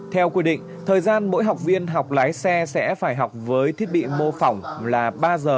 theo quy định thời gian mỗi học viên học lái xe sẽ phải học với thiết bị mô phỏng